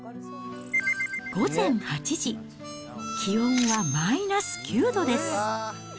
午前８時、気温はマイナス９度です。